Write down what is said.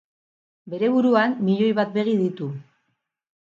Bere buruan, milioi bat begi ditu.